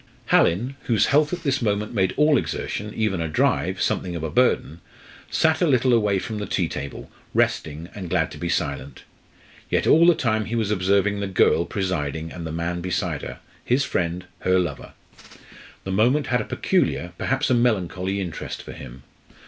Hallin, whose health at this moment made all exertion, even a drive, something of a burden, sat a little away from the tea table, resting, and glad to be silent. Yet all the time he was observing the girl presiding and the man beside her his friend, her lover. The moment had a peculiar, perhaps a melancholy interest for him.